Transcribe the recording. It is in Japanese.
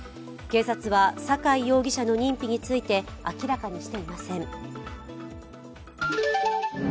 警察は、阪井容疑者の認否について明らかにしていません。